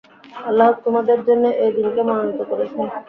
আল্লাহ তোমাদের জন্যে এ দীনকে মনোনীত করেছেন।